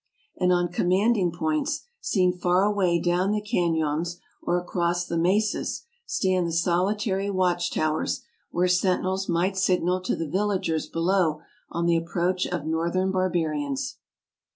And on commanding points, seen far away down the canons or across the mesas, stand the solitary watch towers where sentinels might signal to the villagers below on the approach of Northern barbarians.